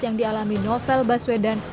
yang dialami novel baswedan